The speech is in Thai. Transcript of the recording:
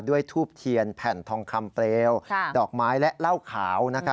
ทูบเทียนแผ่นทองคำเปลวดอกไม้และเหล้าขาว